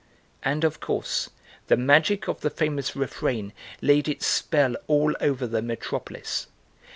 And, of course, the magic of the famous refrain laid its spell all over the Metropolis.